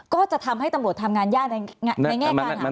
ก็จะทำให้ตำรวจทำงานยากในแง่การหาพยานหลักฐาน